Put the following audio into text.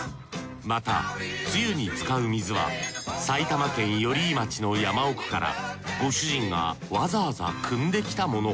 またつゆに使う水は埼玉県寄居町の山奥からご主人がわざわざ汲んできたもの。